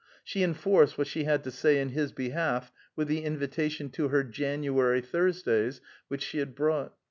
She enforced what she had to say in his behalf with the invitation to her January Thursdays which she had brought.